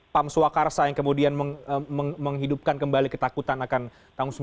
pam swakarsa yang kemudian menghidupkan kembali ketakutan akan tahun sembilan puluh delapan